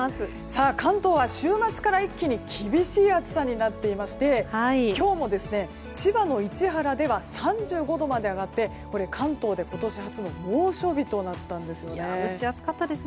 関東は週末から一気に厳しい暑さになっていまして今日も千葉の市原では３５度まで上がって関東で今年初の猛暑日となったんです。